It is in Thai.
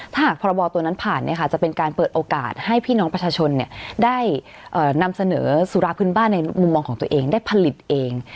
ถ้าหากพรบตัวนั้นผ่านจะเป็นการเปิดโอกาสให้พี่น้องประชาชนได้นำเสนอสุราพื้นบ้านในมุมมองของตัวเองได้ผลิตเอง